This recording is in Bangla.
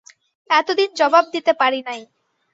এতদিন জবাব দিতে পারি নাই।